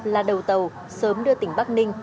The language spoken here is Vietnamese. là đầu tàu sớm đưa tỉnh bắc ninh